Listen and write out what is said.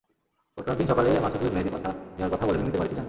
ঘটনার দিন সকালে মাসুদুর মেহেদি পাতা নেওয়ার কথা বলে মিমিদের বাড়িতে যান।